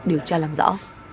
điều tra làm rõ